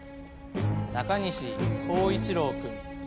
中西幸一郎くん。